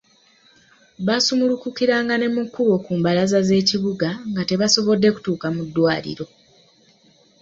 Baasumulukukiranga ne mu kkubo ku mbalaza z’ekibuga nga tebasobodde kutuuka mu ddwaliro.